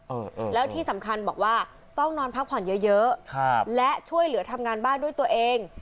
เออแล้วที่สำคัญบอกว่าต้องนอนพักผ่อนเยอะเยอะครับและช่วยเหลือทำงานบ้านด้วยตัวเอง